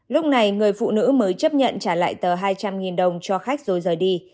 lúc này người phụ nữ mới chấp nhận trả lại tờ hai trăm linh đồng cho khách rồi rời đi